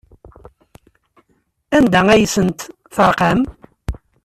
Anda ay asent-terqam?